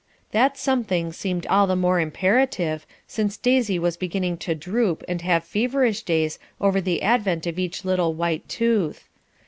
That something seemed all the more imperative, since Daisy was beginning to droop and have feverish days over the advent of each little white tooth.